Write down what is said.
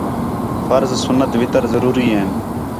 فرض، سُنت، وِتر ضروری ہین